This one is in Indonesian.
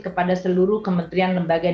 kepada seluruh kementerian lembaga